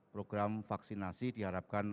program vaksinasi diharapkan